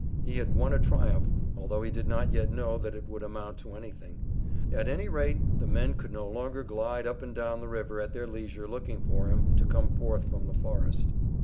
He had won a triumph, although he did not yet know that it would amount to anything. At any rate the men could no longer glide up and down the river at their leisure looking for him to come forth from the forest.